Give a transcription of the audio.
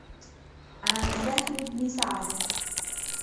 عَنْ سَهْلِ بْنِ سَعْدٍ